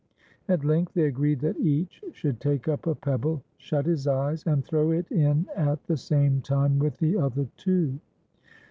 At length they agreed that each should take up a pebble, shut his eyes, and throw it in at the same time with the other two.